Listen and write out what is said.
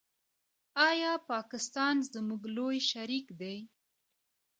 آیا پاکستان زموږ لوی شریک دی؟